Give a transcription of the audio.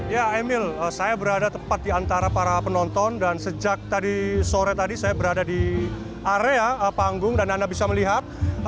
ya emil saya berada tepat di antara para penonton dan sejak tadi sore tadi saya berada di area panggung dan anda bisa melihat